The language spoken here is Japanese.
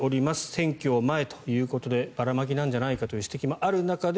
選挙の前ということでばらまきなんじゃないかという指摘もある中で